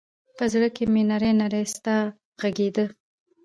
په زړه کې مــــــې نـــری نـــری ستار غـــــږیده